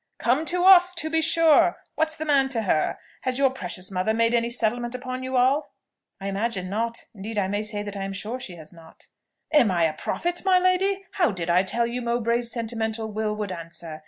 "Come to us, to be sure, what's the man to her? Has your precious mother made any settlement upon you all?" "I imagine not; indeed I may say that I am sure she has not." "Am I a prophet, my lady? how did I tell you Mowbray's sentimental will would answer?